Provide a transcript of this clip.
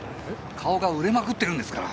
顔が売れまくってるんですから。